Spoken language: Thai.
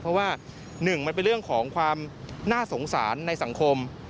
เพราะว่าหนึ่งมันเป็นเรื่องของความน่าสงสารในสังคม